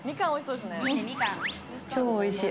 超おいしい！